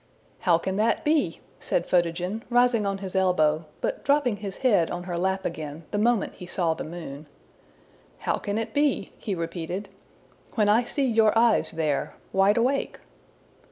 '' ``How can that be?'' said Photogen, rising on his elbow, but dropping his head on her lap again the moment he saw the moon; `` how can it be,'' he repeated, ``when I see your eyes there wide awake?''